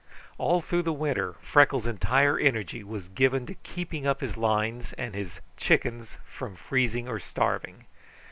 All through the winter Freckles' entire energy was given to keeping up his lines and his "chickens" from freezing or starving.